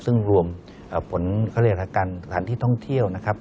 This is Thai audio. ซึ่งรวมผลเขาเรียกกันสถานที่ท่องเที่ยวนะครับ